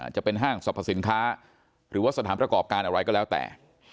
จะเป็นห้างสรรพสินค้าหรือว่าสถานประกอบการอะไรก็แล้วแต่